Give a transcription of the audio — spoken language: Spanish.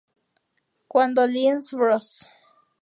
Cuando Lines Bros.